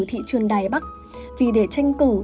thị trường đài bắc vì để tranh cử